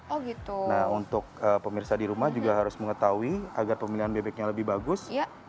oh gitu nah untuk pemirsa di rumah juga harus mengetahui agar pemilihan bebeknya lebih bagus